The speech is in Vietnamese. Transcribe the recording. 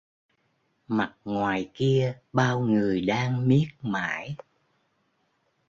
Mặc ngoài kia bao người đang miết mải